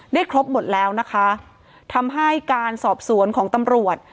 ครบหมดแล้วนะคะทำให้การสอบสวนของตำรวจ